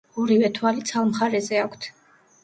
ორივე თვალი ცალ მხარეზე აქვთ.